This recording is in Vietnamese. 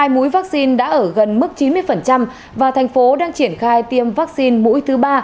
hai mũi vắc xin đã ở gần mức chín mươi và thành phố đang triển khai tiêm vắc xin mũi thứ ba